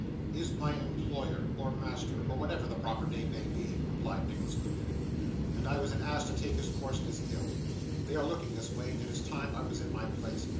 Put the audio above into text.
'Is my employer, or master, or whatever the proper name may be,' replied Nicholas quickly; 'and I was an ass to take his coarseness ill. They are looking this way, and it is time I was in my place.